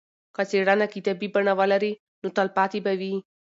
که څېړنه کتابي بڼه ولري نو تلپاتې به وي.